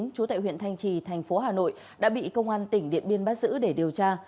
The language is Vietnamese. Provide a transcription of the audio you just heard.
trú tại huyện thanh trì thành phố hà nội đã bị công an tỉnh điện biên bắt giữ để điều tra